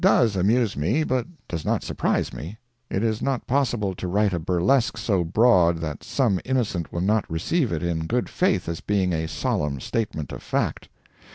That does amuse me, but does not surprise me. It is not possible to write a burlesque so broad that some innocent will not receive it in good faith as being a solemn statement of fact.